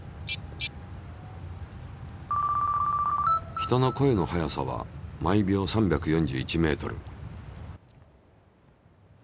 人の声の速さは毎秒３４１ｍ。